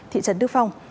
thị trấn đức phong